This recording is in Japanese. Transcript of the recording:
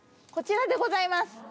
こちらでございます。